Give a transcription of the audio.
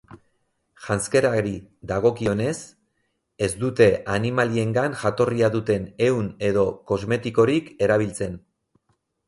Janzkerari dagokionez, ez dute animaliengan jatorria duten ehun edo kosmetikorik erabiltzen.